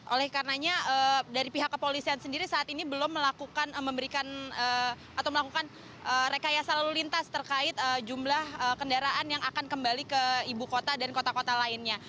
oleh karenanya dari pihak kepolisian sendiri saat ini belum melakukan memberikan atau melakukan rekayasa lalu lintas terkait jumlah kendaraan yang akan kembali ke ibu kota dan kota kota lainnya